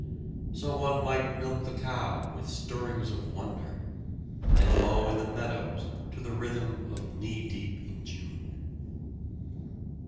So one might milk the cow with stirrings of wonder, and mow in the meadows to the rhythm of "Knee deep in June."